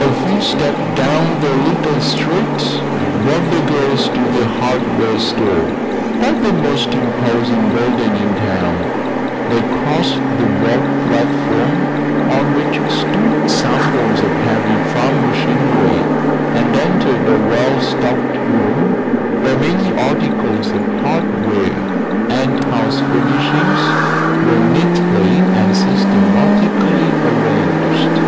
A few steps down the little street brought the girls to the hardware store, quite the most imposing building in town. They crossed the broad platform on which stood samples of heavy farm machinery and entered a well stocked room where many articles of hardware and house furnishings were neatly and systematically arranged.